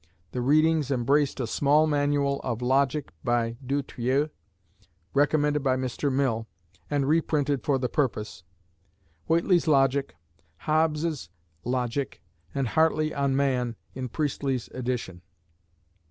The readings embraced a small manual of logic, by Du Trieu, recommended by Mr. Mill, and reprinted for the purpose, Whately's Logic, Hobbes's Logic, and Hartley on Man, in Priestley's edition.